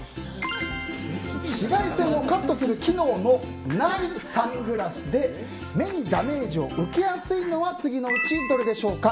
紫外線をカットする機能のないサングラスで目にダメージを受けやすいのは次のうちどれでしょうか。